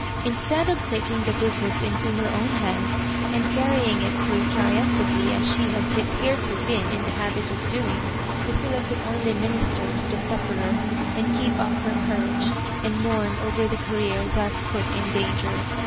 Instead of taking the business into her own hands, and carrying it through triumphantly as she had hitherto been m the habit of doing, Lucilla could only minister to the sufiferer, and keep up her courage, and mourn over the Career thus put in danger.